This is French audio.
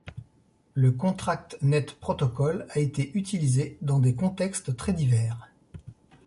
Le Contract Net procotol a été utilisé dans des contextes très divers.